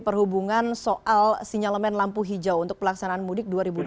perhubungan soal sinyalemen lampu hijau untuk pelaksanaan mudik dua ribu dua puluh